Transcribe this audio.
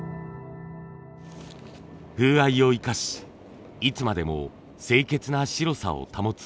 風合いを生かしいつまでも清潔な白さを保つ釉薬。